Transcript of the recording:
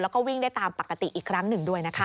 แล้วก็วิ่งได้ตามปกติอีกครั้งหนึ่งด้วยนะคะ